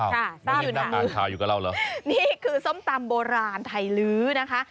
ค่ะซ่าอยู่น่ะค่ะนี่คือส้มตำโบราณไทยลื้อนะคะค่ะ